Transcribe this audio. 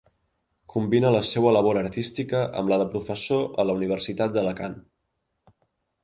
Combina la seua labor artística amb la de professor a la Universitat d'Alacant.